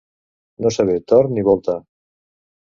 No saber torn ni volta.